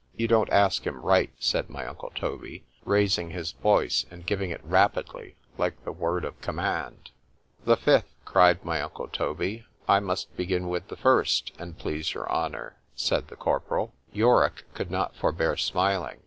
—You don't ask him right, said my uncle Toby, raising his voice, and giving it rapidly like the word of command:——The fifth———cried my uncle Toby.—I must begin with the first, an' please your honour, said the corporal.—— —Yorick could not forbear smiling.